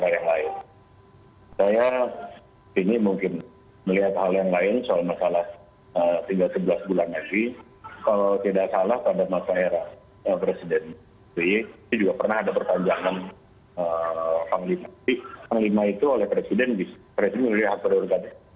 saya kira bahwa ini juga bagian juga bisa merupakan bagian dari persiapan bagaimana menjadikan sebelas keamanan berjalan kembali